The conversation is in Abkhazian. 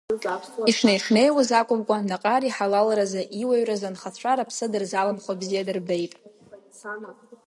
Ишнеи-шнеиуаз акәымкәа Наҟар иҳалалразы, иуаҩразы анхацәа рыԥсы дырзалымхуа бзиа дырбеит.